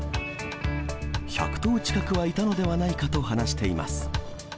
１００頭近くはいたのではないかと話しています。